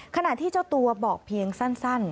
ขณะที่เจ้าตัวบอกเพียงสั้น